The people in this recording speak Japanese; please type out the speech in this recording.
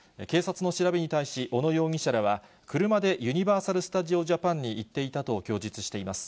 警察の調べに対し、小野容疑者らは、車でユニバーサル・スタジオ・ジャパンに行っていたと供述しています。